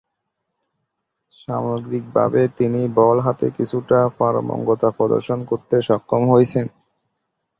সামগ্রীকভাবে তিনি বল হাতে কিছুটা পারঙ্গমতা প্রদর্শন করতে সক্ষম হয়েছেন।